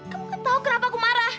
kamu gak tau kenapa aku marah